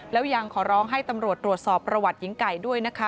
แล้วยังขอร้องให้ตำรวจตรวจสอบประวัติหญิงไก่ด้วยนะคะ